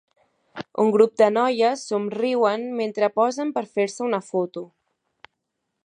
Un grup de noies somriuen mentre posen per fer-se una foto.